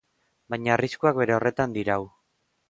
Baina arriskuak bere horretan dirau.